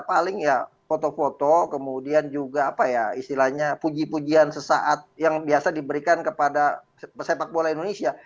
paling ya foto foto kemudian juga apa ya istilahnya puji pujian sesaat yang biasa diberikan kepada sepak bola indonesia